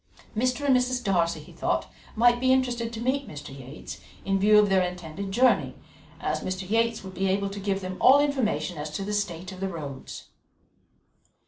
Mr. and Mrs. Darcy, he thought, might be interested to meet Mr. Yates, in view of their intended journey, as Mr. Yates would be able to give them all information as to the state of the roads.